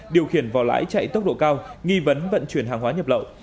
điều khiển vỏ lãi chạy tốc độ cao nghi vấn vận chuyển hàng hóa nhập lậu